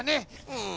うん。